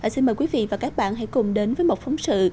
xin mời quý vị và các bạn hãy cùng đến với một phóng sự